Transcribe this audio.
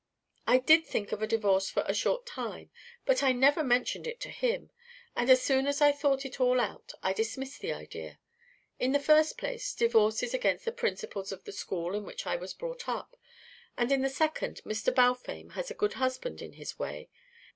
"I did think of a divorce for a short time, but I never mentioned it to him, and as soon as I thought it all out I dismissed the idea. In the first place, divorce is against the principles of the school in which I was brought up, and in the second Mr. Balfame was a good husband in his way.